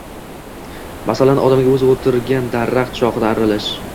Masalan, odamga o‘zi o‘tirgan daraxt shoxini arralash